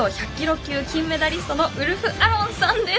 級金メダリストのウルフアロンさんです。